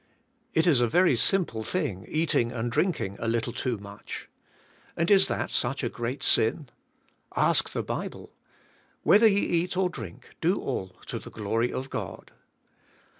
It is a very simple thing eating and drinking a little too much. And is that such a great sin? Ask the Bible. "Whether ye eat or drink do all to the glory of God."